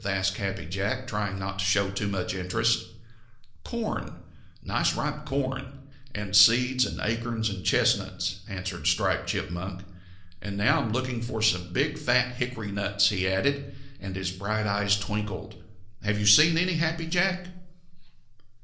asked Happy Jack, trying not to show too much interest. "Corn, nice ripe yellow corn, and seeds and acorns and chestnuts," answered Striped Chipmunk. "And now I'm looking for some big, fat hickory nuts," he added, and his bright eyes twinkled. "Have you seen any, Happy Jack?"